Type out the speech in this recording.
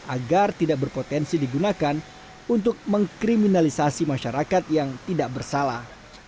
agar tidak berpotensi digunakan untuk mengkriminalisasi masyarakat yang tidak bersalah